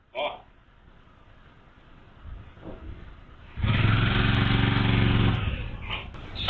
เฮ้ย